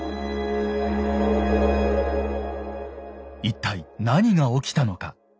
一体何が起きたのか。